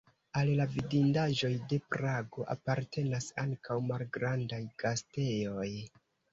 Al la vidindaĵoj de Prago apartenas ankaŭ malgrandaj gastejoj.